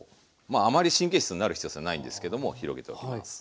まああまり神経質になる必要性はないんですけども広げておきます。